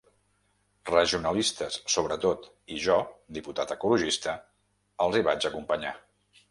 Regionalistes, sobretot, i jo, diputat ecologista, els hi vaig acompanyar.